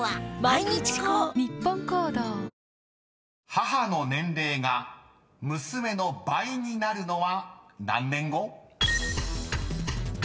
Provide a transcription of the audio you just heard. ［母の年齢が娘の倍になるのは何年後？］